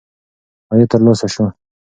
عاید ترلاسه شو.